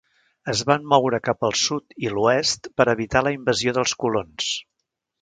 Es van moure cap al sud i l'oest per evitar la invasió dels colons.